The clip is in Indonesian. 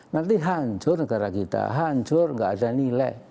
nanti hancur negara kita hancur nggak ada nilai